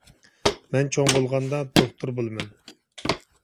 مەن چوڭ بولغاندا دوختۇر بولىمەن.